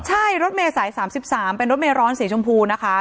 ใช่รถเมษาย๓๓เป็นรถเมร้อนสีชมพูนะคะ